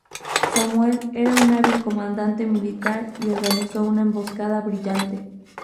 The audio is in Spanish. Samuel era un hábil comandante militar y organizó una emboscada brillante.